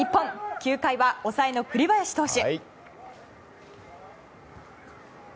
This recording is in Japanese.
９回は抑えの栗林投手。